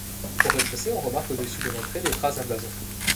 Au rez-de-chaussée, on remarque au-dessus de l'entrée les traces d'un blason.